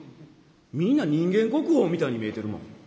みんな人間国宝みたいに見えてるもん。